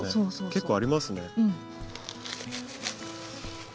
結構ありますね。